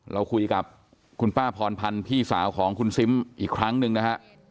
เราคุยกับคุณป้าพรพันธ์พี่สาวของคุณซิมอีกครั้งหนึ่งนะฮะ